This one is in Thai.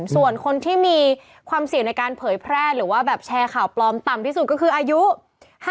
ส่วนคนที่มีความเสี่ยงในการเผยแพร่หรือว่าแบบแชร์ข่าวปลอมต่ำที่สุดก็คืออายุ